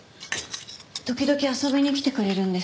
時々遊びに来てくれるんです。